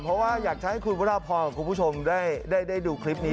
เพราะว่าอยากจะให้คุณพระราพรกับคุณผู้ชมได้ดูคลิปนี้